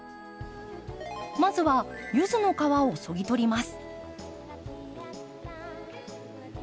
まずはユズの皮を削ぎ取ります。